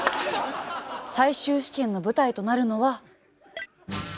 最終試験の舞台となるのは。